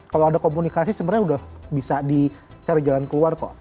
kalau ada komunikasi sebenarnya sudah bisa dicari jalan keluar kok